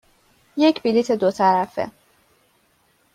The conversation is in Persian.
یک بلیط دو طرفه.